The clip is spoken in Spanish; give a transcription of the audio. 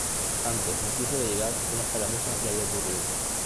Antes incluso de llegar, una escaramuza ya había ocurrido.